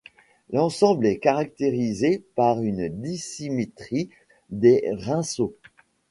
L'ensemble est caractérisé par une dissymétrie des rinceaux.